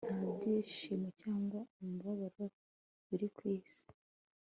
nta byishimo cyangwa umubabaro biri ku isi